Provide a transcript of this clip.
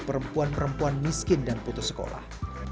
perempuan perempuan miskin dan putus sekolah